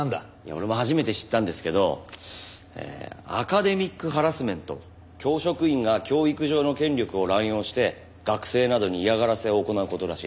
俺も初めて知ったんですけどアカデミックハラスメント教職員が教育上の権力を乱用して学生などに嫌がらせを行う事らしいです。